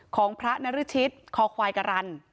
ของพระนรชิตคอควายกรรณ